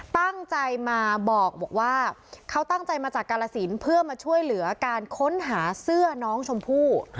ตั้งใจมาบอกว่าเขาตั้งใจมาจากกาลสินเพื่อมาช่วยเหลือการค้นหาเสื้อน้องชมพู่